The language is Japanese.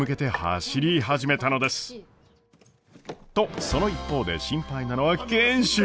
とその一方で心配なのは賢秀。